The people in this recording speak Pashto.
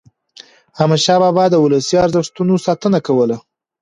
احمدشاه بابا د ولسي ارزښتونو ساتنه کوله.